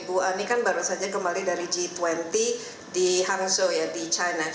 ibu ani kan baru saja kembali dari g dua puluh di hangzhou ya di china